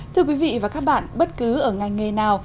thưa quý vị và các bạn bất cứ ở ngành nghề nào